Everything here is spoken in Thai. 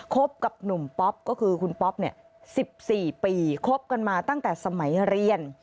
คบกับหนุ่มป๊อปก็คือคุณป๊อป๑๔ปีคบกันมาตั้งแต่สมัยเรียน